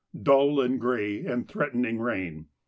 _—Dull and grey, and threatening rain.